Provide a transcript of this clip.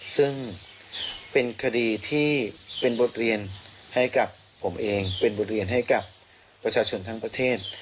ซึ่งเป็นคดีที่เป็นบทเรียนให้กับผมเองเป็นบทเรียนให้กับประชาชนทั้งประเทศ